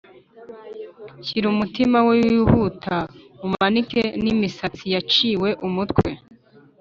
shyira umutima we wihuta, umanike n'imitsi yaciwe umutwe